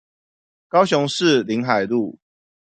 高雄市臨海路